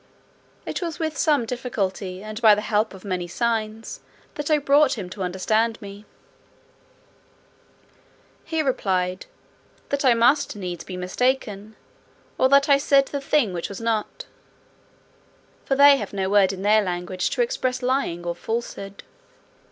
It was with some difficulty, and by the help of many signs, that I brought him to understand me. He replied, "that I must needs be mistaken, or that I said the thing which was not;" for they have no word in their language to express lying or falsehood.